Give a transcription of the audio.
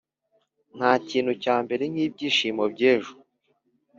ntakintu cyambera nkibyishimo byejo.